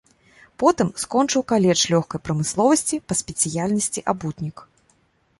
Потым скончыў каледж лёгкай прамысловасці па спецыяльнасці абутнік.